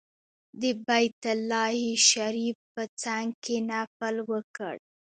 د بیت الله شریف په څنګ کې نفل وکړ.